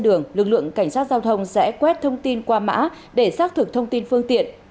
đường lực lượng cảnh sát giao thông sẽ quét thông tin qua mã để xác thực thông tin phương tiện